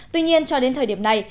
tuy nhiên cho đến thời điểm này